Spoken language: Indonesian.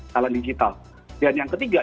talen digital dan yang ketiga